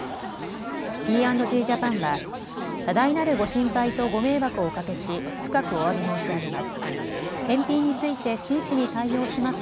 Ｐ＆Ｇジャパンは多大なるご心配とご迷惑をおかけし深くおわび申し上げます。